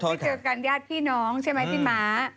ไปเจอกันญาติพี่น้องใช่ไหมพี่ม้า